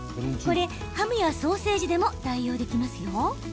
ハムやソーセージでも代用できます。